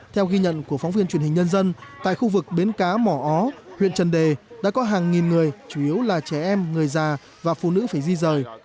theo ghi nhận của phóng viên truyền hình nhân dân tại khu vực bến cá mỏ ó huyện trần đề đã có hàng nghìn người chủ yếu là trẻ em người già và phụ nữ phải di rời